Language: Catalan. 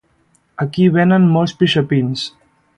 Aquí venen molts pixapins